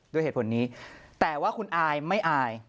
ด้วยเหตุผลนี้แต่ว่าคุณอายไม่อาย